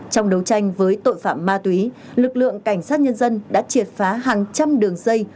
trong đấu tranh với tội phạm ma túy lực lượng cảnh sát nhân dân đã triệt phá hàng trăm đường dây